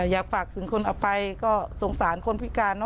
อยากฝากถึงคนเอาไปก็สงสารคนพิการเนอ